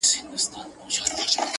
په پوهېږمه که نه د وجود ساز دی _